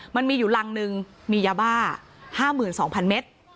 มันมีอยู่รังหนึ่งมียาบ้า๕๒๐๐๐เมตร